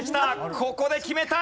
ここで決めたい。